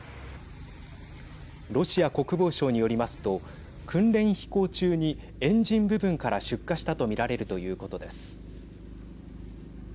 ロシア国防省によりますと訓練飛行中に、エンジン部分から出火したと見られるということです。